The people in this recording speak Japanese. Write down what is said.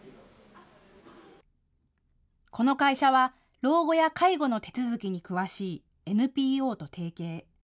この会社は老後や介護の手続きに詳しいＮＰＯと提携。